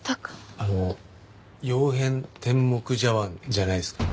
あの曜変天目茶碗じゃないですか？